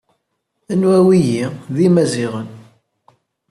Anwa wigi? D Imaziɣen.